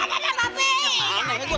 aduh ada ada ada babe